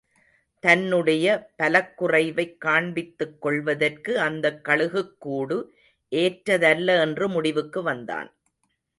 தன்னுடைய பலக்குறைவைக் காண்பித்துக் கொள்வதற்கு அந்தக் கழுகுக்கூடு ஏற்றதல்ல என்று முடிவுக்கு வந்தான்.